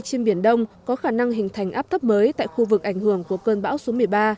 trên biển đông có khả năng hình thành áp thấp mới tại khu vực ảnh hưởng của cơn bão số một mươi ba